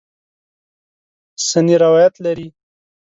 سنې روایت لري.